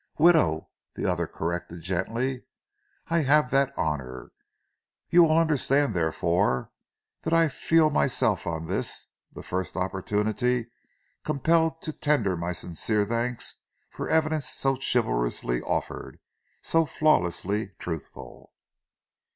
"Widow," the other corrected gently. "I have that honour. You will understand, therefore, that I feel myself on this, the first opportunity, compelled to tender my sincere thanks for evidence so chivalrously offered, so flawlessly truthful."